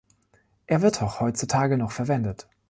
Er wird auch heutzutage noch verwendet.